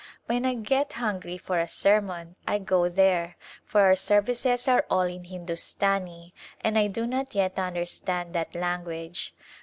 When I get hungry for a sermon I go there, for our services are all in Hindustani and I do not yet understand that language.